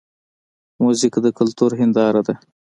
موزیک د کلتور هنداره ده.